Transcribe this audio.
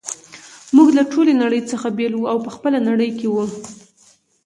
موږ له ټولې نړۍ څخه بیل وو او په خپله نړۍ کي وو.